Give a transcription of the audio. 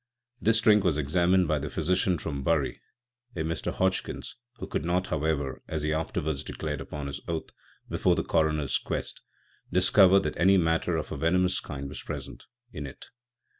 This Drink was examined by the Physician from Bury, a Mr. Hodgkins, who could not, however, as he afterwards declar'd upon his Oath, before the Coroner's quest, discover that any matter of a venomous kind vas present in it.